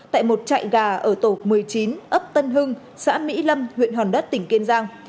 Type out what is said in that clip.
tại một trại gà ở tổ một mươi chín ấp tân hưng xã mỹ lâm huyện hòn đất tỉnh kiên giang